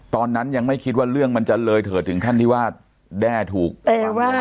ตอนนั้นยังไม่คิดว่าเรื่องมันจะเลยเถิดถึงขั้นที่ว่าแด้ถูกแต่ว่า